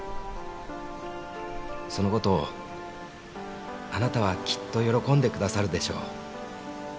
「その事をあなたはきっと喜んでくださるでしょう」